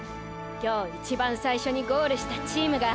今日一番最初にゴールしたチームが。